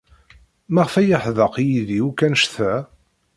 Maɣef ay yeḥdeq yid-i akk anect-a?